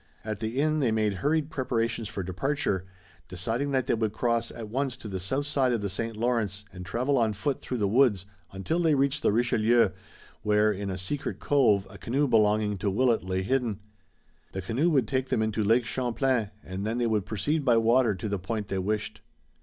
At the inn they made hurried preparations for departure, deciding that they would cross at once to the south side of the St. Lawrence and travel on foot through the woods until they reached the Richelieu, where in a secret cove a canoe belonging to Willet lay hidden. The canoe would take them into Lake Champlain and then they could proceed by water to the point they wished.